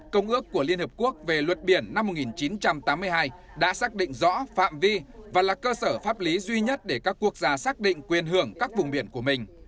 công ước của liên hợp quốc về luật biển năm một nghìn chín trăm tám mươi hai đã xác định rõ phạm vi và là cơ sở pháp lý duy nhất để các quốc gia xác định quyền hưởng các vùng biển của mình